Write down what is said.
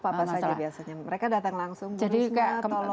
apa apa saja biasanya mereka datang langsung berusaha tolong